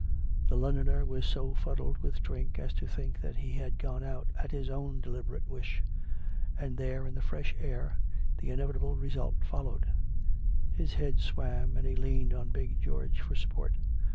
The Londoner was so fuddled with drink as to think that he had gone out at his own deliberate wish; and there, in COME RACK! COME ROPE ! 253 the fresh air, the inevitable result followed; his head swam, and he leaned on big George for support.